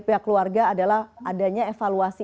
pihak keluarga adalah adanya evaluasi